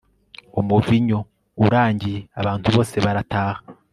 Umuvinyu urangiye abantu bose barataha